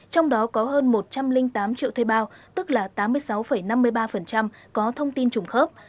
trong đó có hơn một trăm linh tám triệu thuê bao tức là tám mươi sáu năm mươi ba có thông tin trùng khớp